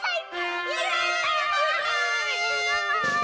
はい！